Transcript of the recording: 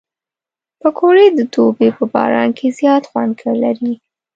پکورې د دوبي په باران کې زیات خوند لري